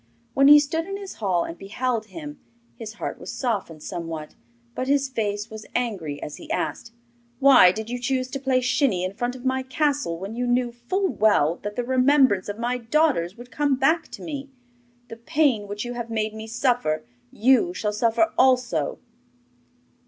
When he stood in his hall and beheld them, his heart was softened somewhat; but his face was angry as he asked: 'Why did you choose to play shinny in front of my castle when you knew full well that the remembrance of my daughters would come back to me? The pain which you have made me suffer you shall suffer also.